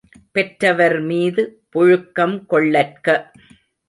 பெற்றவர்மீது புழுக்கம் கொள்ளற்க!